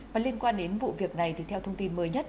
và liên quan đến vụ việc này thì theo thông tin mới nhất